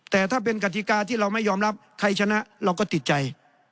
แต่ถ้าเป็นกติกาที่เราไม่ยอมรับใครชนะเราก็ติดใจ